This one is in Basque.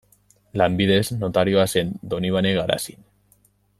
Lanbidez notarioa zen, Donibane Garazin.